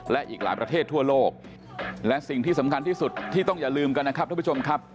และอีกหลายประเทศทั่วโลกและสิ่งที่สำคัญที่สุดที่ต้องอย่าลืมกันนะครับท่านผู้ชมครับ